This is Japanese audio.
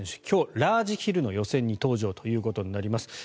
今日、ラージヒルの予選に登場ということになります。